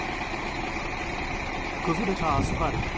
崩れたアスファルト。